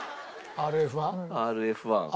ＲＦ１。